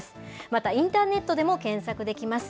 またインターネットでも検索できます。